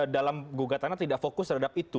dalam gugatannya tidak fokus terhadap itu